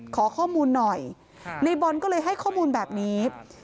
ขอข้อมูลหน่อยในบอลก็เลยให้ข้อมูลแบบนี้